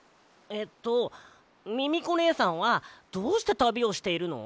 えっとミミコねえさんはどうしてたびをしているの？